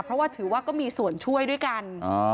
เพราะว่าถือว่าก็มีส่วนช่วยด้วยกัน